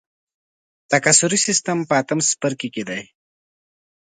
تکثري سیستم په اتم څپرکي کې دی.